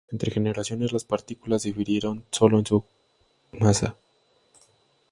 Entre generaciones, las partículas difieren sólo en su masa.